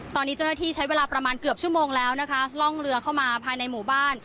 ตอนนี้เจ้าหน้าที่ใช้เวลาประมาณเกือบชั่วโมงแล้วนะคะล่องเรือเข้ามาภายในหมู่บ้าน